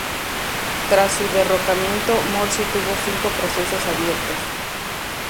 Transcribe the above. Tras su derrocamiento Morsi tuvo cinco procesos abiertos.